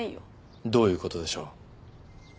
どういう事でしょう？